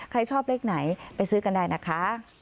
ใครชอบเลขไหนไปซื้อกันได้นะคะ